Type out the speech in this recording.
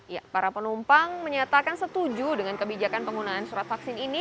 ya para penumpang menyatakan setuju dengan kebijakan penggunaan surat vaksin ini